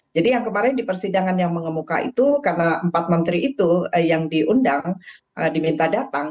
jadi yang kemarin di persidangan yang mengemuka itu karena empat menteri itu yang diundang diminta datang